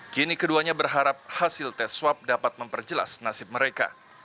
kini keduanya berharap hasil tes swab dapat memperjelas nasib mereka